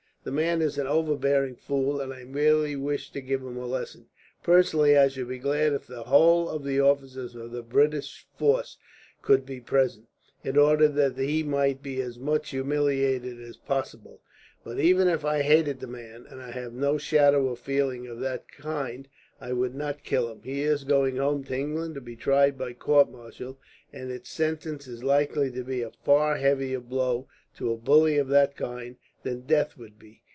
The man is an overbearing fool, and I merely wish to give him a lesson. Personally, I should be glad if the whole of the officers of the British force could be present, in order that he might be as much humiliated as possible; but even if I hated the man and I have no shadow of feeling of that kind I would not kill him. He is going home to England to be tried by court martial, and its sentence is likely to be a far heavier blow, to a bully of that kind, than death would be.